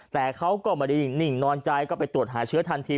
แต่เขาก็ไม่ได้นิ่งนอนใจก็ไปตรวจหาเชื้อทันที